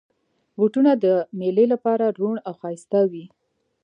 بوټونه د مېلې لپاره روڼ او ښایسته وي.